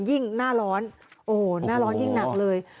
หน้าร้อนโอ้โหหน้าร้อนยิ่งหนักเลย